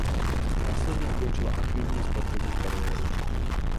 Následně ukončila aktivní sportovní kariéru.